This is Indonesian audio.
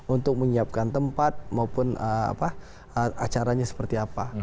untuk menyiapkan tempat maupun acaranya seperti apa